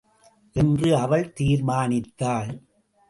என்று அவள் தீர்மானித்தாள்.